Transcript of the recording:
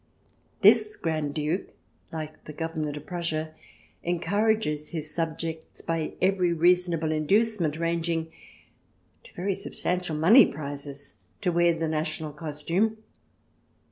This Grand Duke, Uke the Government of Prussia, encourages his subjects by every reasonable induce ment, ranging to very substantial money prizes, to wear the national costume.